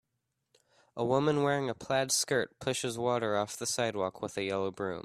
a woman wearing a plaid skirt pushes water off the sidewalk with a yellow broom.